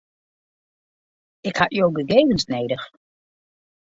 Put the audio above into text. Ik ha jo gegevens nedich.